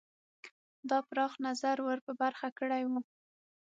دا پراخ نظر ور په برخه کړی وو.